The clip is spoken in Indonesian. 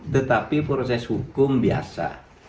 tetapi proses hukum biasa